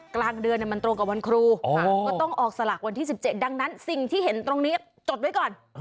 กลางเดือนมันตรงกับวันครูก็ต้องออกสลากวันที่๑๗ดังนั้นสิ่งที่เห็นตรงนี้จดไว้ก่อน